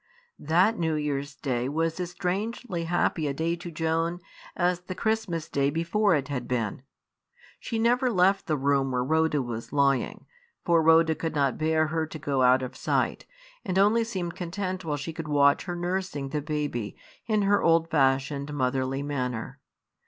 That New Year's Day was as strangely happy a day to Joan as the Christmas Day before it had been. She never left the room where Rhoda was lying; for Rhoda could not bear her to go out of sight, and only seemed content while she could watch her nursing the baby, in her old fashioned, motherly manner.